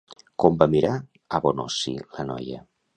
Com va mirar a Bonossi la noia?